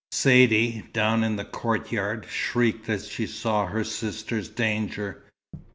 LI Saidee, down in the courtyard, shrieked as she saw her sister's danger.